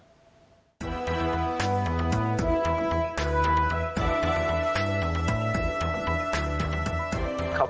การเลือกบิดซีวิจัยโจรปรันเรียกสร้าง